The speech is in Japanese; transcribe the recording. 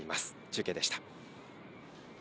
中継でした。